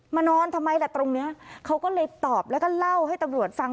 นอนทำไมล่ะตรงเนี้ยเขาก็เลยตอบแล้วก็เล่าให้ตำรวจฟัง